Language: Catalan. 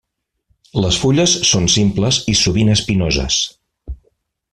Les fulles són simples i sovint espinoses.